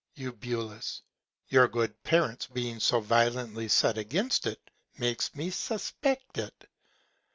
Eu. Your good Parents being so violently set against it, makes me suspect it.